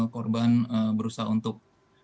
korban berusaha untuk